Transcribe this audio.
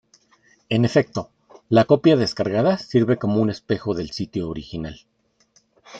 En efecto, la copia descargada sirve como un espejo del sitio original.